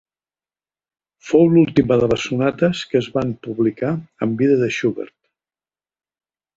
Fou l'última de les sonates que es van publicar en vida de Schubert.